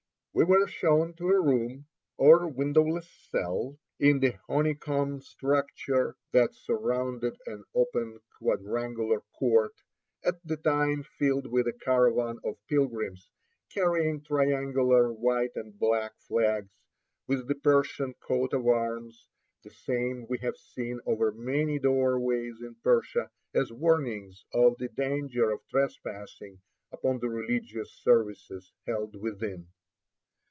We were shown to a room, or windowless cell, in the honeycomb structure that surrounded an open quadrangular court, at the time filled with a caravan of pilgrims, carrying triangular white and black flags, with the Persian coat of arms, the same we have seen over many doorways in Persia as warnings of the danger of trespassing upon the religious services held within.